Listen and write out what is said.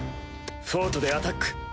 フォートでアタック！